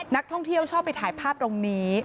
นักท่องเที่ยวชอบไปถ่ายภาพตรงนี้